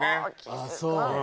あっそう？